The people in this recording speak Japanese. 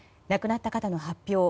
亡くなった方の発表